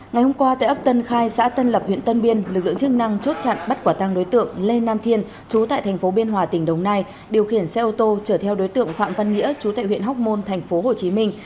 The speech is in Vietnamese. ngày hôm qua tại ấp tân khai xã tân lập huyện tân biên lực lượng chức năng chốt chặn bắt quả tăng đối tượng lê nam thiên chú tại thành phố biên hòa tỉnh đồng nai điều khiển xe ô tô chở theo đối tượng phạm văn nghĩa chú tại huyện hóc môn thành phố hồ chí minh